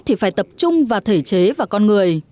để tập trung vào thể chế và con người